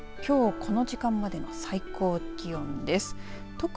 きょう、この時間までの最高気温です。